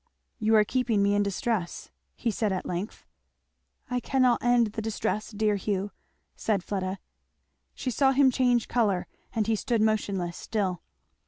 "You are keeping me in distress," he said at length. "I cannot end the distress, dear Hugh," said Fleda. She saw him change colour and he stood motionless still.